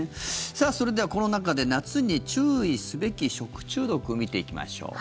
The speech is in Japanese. それでは、この中で夏に注意すべき食中毒を見ていきましょう。